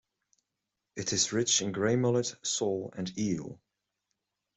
It is rich in grey mullet, sole, and eel.